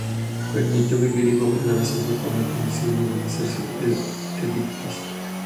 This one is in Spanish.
Permitió vivir y gobernar a su hijo con la condición de obedecer sus edictos.